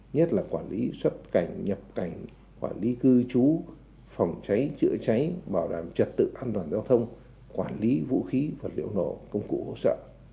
nhất là quản lý xuất cảnh nhập cảnh quản lý cư trú phòng cháy chữa cháy bảo đảm trật tự an toàn giao thông quản lý vũ khí vật liệu nổ công cụ hỗ trợ